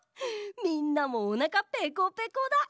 みんなもおなかペコペコだ。